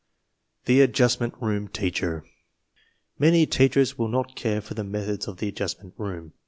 \THE ADJUSTMENT ROOM TEACHER Many teachers will not care for the methods of the Adjustment Room.